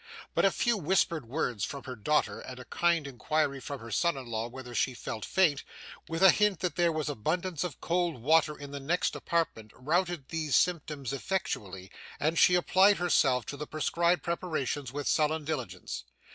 But a few whispered words from her daughter, and a kind inquiry from her son in law whether she felt faint, with a hint that there was abundance of cold water in the next apartment, routed these symptoms effectually, and she applied herself to the prescribed preparations with sullen diligence.